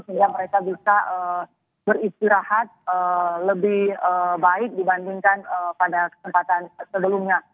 sehingga mereka bisa beristirahat lebih baik dibandingkan pada kesempatan sebelumnya